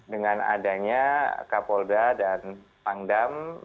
dengan adanya kapolda dan pangdam